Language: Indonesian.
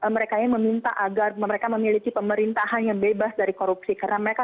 mereka ini meminta agar mereka memiliki pemerintahan yang bebas dari korupsi karena mereka